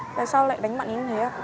trời ơi tại sao lại đánh bạn ấy như thế ạ